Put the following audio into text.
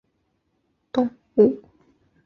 石隙掠蛛为平腹蛛科掠蛛属的动物。